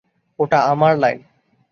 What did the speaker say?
ওটা আমার লাইন!